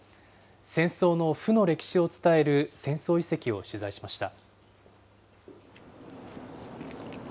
戦争の負の歴史を伝える戦争遺跡を取材しました。